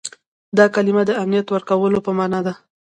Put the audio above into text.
دا کلمه د امنیت ورکولو په معنا ده.